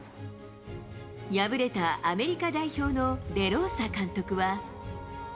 敗れたアメリカ代表のデローサ監督は。